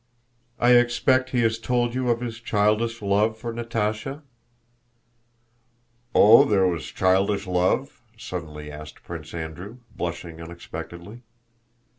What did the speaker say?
"I expect he has told you of his childish love for Natásha?" "Oh, there was childish love?" suddenly asked Prince Andrew, blushing unexpectedly.